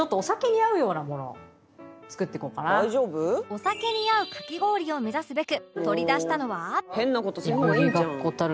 お酒に合うかき氷を目指すべく取り出したのは